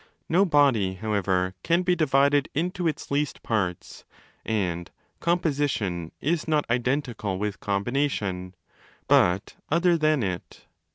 No body, however, can be divided into its 'least' parts: and 'composition ' is not identical with 'combination', but other than it.